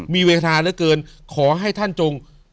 มีเวทนาเหลือเกินขอให้ท่านจง